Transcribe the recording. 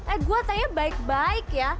eh gue tanya baik baik ya